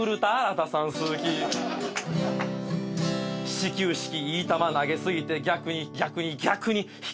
「好き」「始球式いい球投げ過ぎて逆に逆に逆に引かれた」